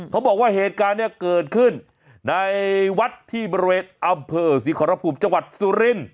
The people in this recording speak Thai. เขาบอกว่าเหตุการณ์เนี่ยเกิดขึ้นในวัดที่บริเวณอำเภอศรีขอรภูมิจังหวัดสุรินทร์